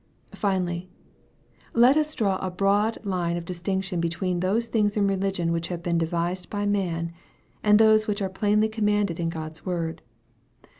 Finally, let us draw a broad line of distinction between those things in religion which have been devised by man, and those which are plainly commanded in God's word.